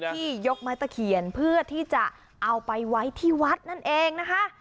ยกไม้ตะเขียนเพื่อที่จะเอาไปไว้ที่วัดนั่นเองนะคะ